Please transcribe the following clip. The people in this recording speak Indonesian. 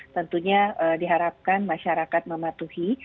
tentunya diharapkan masyarakat mematuhi